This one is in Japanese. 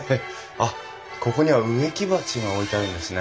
あっここには植木鉢が置いてあるんですね。